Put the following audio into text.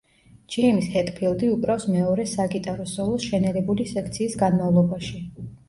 ჯეიმზ ჰეტფილდი უკრავს მეორე საგიტარო სოლოს შენელებული სექციის განმავლობაში.